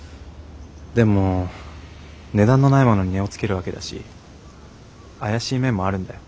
でも値段のないものに値をつけるわけだし怪しい面もあるんだよ。